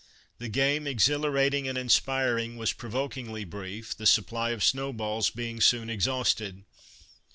The game, exhilarating and inspiring, was provokingly brief, the supply of snow balls being soon exhausted.